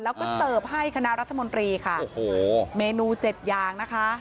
แล้วก็เสิร์ฟให้คณะรัฐมนตรีค่ะโอ้โหเมนูเจ็ดอย่างนะคะ